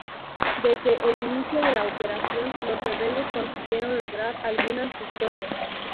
Desde el inicio de la operación, los rebeldes consiguieron lograr algunas victorias.